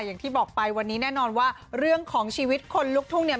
อย่างที่บอกไปวันนี้แน่นอนว่าเรื่องของชีวิตคนลุกทุ่งเนี่ย